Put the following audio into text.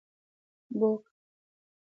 book